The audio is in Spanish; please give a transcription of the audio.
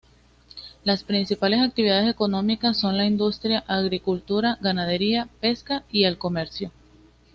Las principales actividades económicas son la industria, agricultura, ganadería, pesca y el comercio.